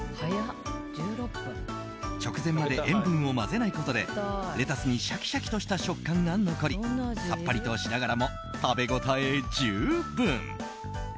直前まで塩分を混ぜないことでレタスにシャキシャキとした食感が残りさっぱりとしながらも食べ応え十分。